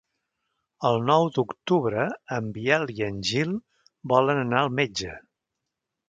El nou d'octubre en Biel i en Gil volen anar al metge.